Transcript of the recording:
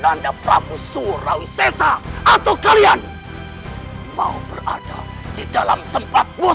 danda prabu surawi sesa atau kalian mau berada di dalam tempat posok ini jawab